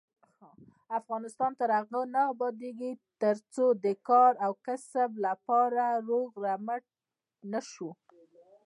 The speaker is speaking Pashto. افغانستان تر هغو نه ابادیږي، ترڅو د کار او کسب لپاره روغ رمټ نشو.